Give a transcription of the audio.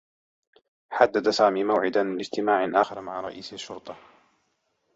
حدّد سامي موعدا لاجتماع آخر مع رئيس الشّرطة.